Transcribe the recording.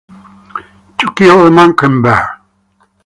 To Kill A Mockingbird.